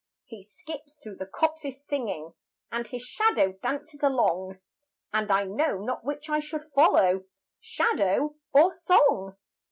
He skips through the copses singing, And his shadow dances along, And I know not which I should follow, Shadow or song!